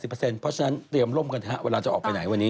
เพราะฉะนั้นเตรียมร่มกันเวลาจะออกไปไหนวันนี้